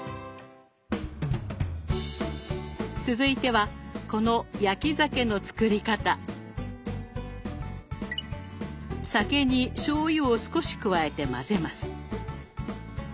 続いてはこの酒にしょうゆを少し加えて混ぜます。